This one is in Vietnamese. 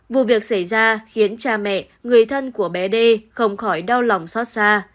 vụ việc xảy ra khiến cha mẹ người thân của bé đê không khỏi đau lòng xót xa